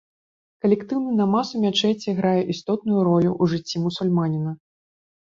Калектыўны намаз ў мячэці грае істотную ролю ў жыцці мусульманіна.